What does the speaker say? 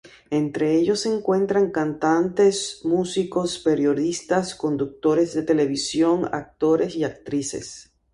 Entre ellos se encuentran cantantes, músicos, periodistas, conductores de televisión, actores y actrices.